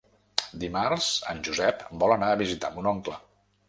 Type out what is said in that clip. Dimarts en Josep vol anar a visitar mon oncle.